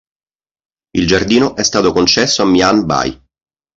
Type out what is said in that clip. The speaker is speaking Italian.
Il giardino è stato concesso a Mian Bai.